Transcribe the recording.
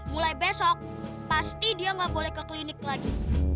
mulai besok pasti dia nggak boleh ke klinik lagi